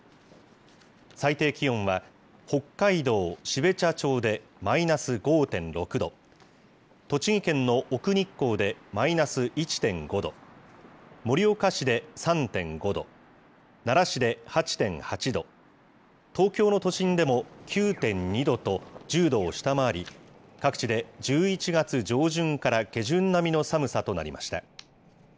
最低気温は、北海道標茶町でマイナス５．６度、栃木県の奥日光でマイナス１．５度、盛岡市で３．５度、奈良市で８．８度、東京の都心でも９．２度と、１０度を下回り、各地で１１月上旬から下旬並みの寒さとなりました。